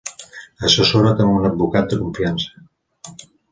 Assessora't amb un advocat de confiança.